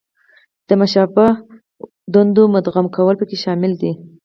د مشابه دندو مدغم کول پکې شامل دي.